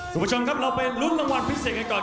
สวัสดีครับเราเป็นรุ่นรางวัลพิเศษให้ก่อน